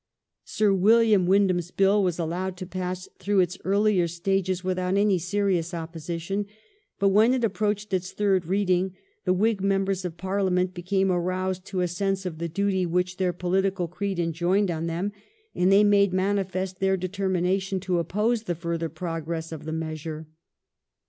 Sir William Windham's Bill was allowed to pass through its earlier stages without any serious opposition; but when it approached its third reading the Whig members of Parliament became aroused to a sense of the duty which their political creed enjoined on them, and they made manifest their determination to oppose the further progress of the measure.